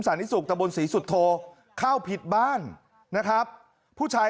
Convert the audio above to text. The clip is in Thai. นิสุขตะบนศรีสุโธเข้าผิดบ้านนะครับผู้ชาย